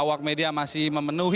awak media masih menerima informasi